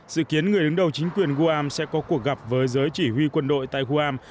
dự kiến người đứng đầu chính quyền guam sẽ có cuộc gặp với giới chỉ huy quân đội tại guam